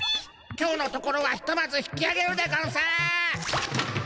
今日のところはひとまず引きあげるでゴンス！